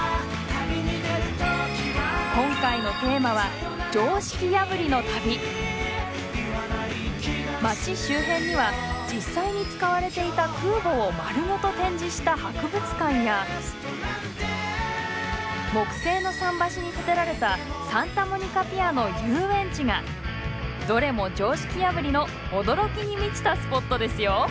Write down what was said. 今回のテーマは町周辺には実際に使われていた空母を丸ごと展示した博物館や木製の桟橋に建てられたサンタモニカ・ピアの遊園地が！どれも常識破りの驚きに満ちたスポットですよ。